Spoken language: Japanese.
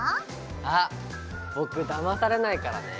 あっ僕だまされないからね。